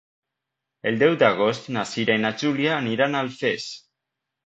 El deu d'agost na Cira i na Júlia aniran a Alfés.